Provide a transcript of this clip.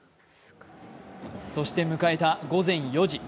そして迎えた午前４時。